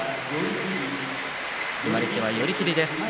決まり手は寄り切りです。